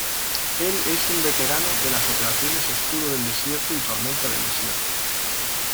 Él es un veterano de las Operaciones Escudo del Desierto y Tormenta del Desierto.